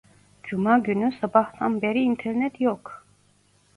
Cuma günü sabahtan beri internet yok.